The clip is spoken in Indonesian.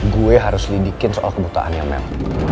gue harus lidikin soal kebutaannya mel